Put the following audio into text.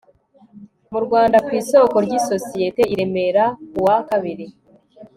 mu Rwanda ku isoko ryisosiyete i Remera ku wa kabiri